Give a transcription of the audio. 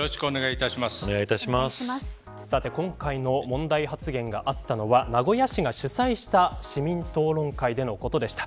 さて今回の問題発言があったのは名古屋市が主催した市民討論会でのことでした。